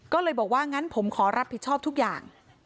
ก็เลยบอกว่างั้นผมขอรับผิดชอบทุกอย่าง